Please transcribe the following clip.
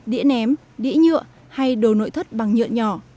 đĩa ném đĩa nhựa hay đồ nội thất bằng nhựa nhỏ